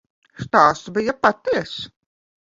Stāsts bija patiess.